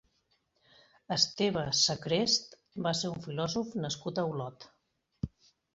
Esteve Sacrest va ser un filòsof nascut a Olot.